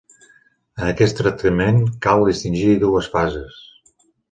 En aquest tractament cal distingir dues fases.